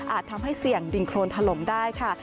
ทำให้เสี่ยงดินโครนถล่มได้ค่ะ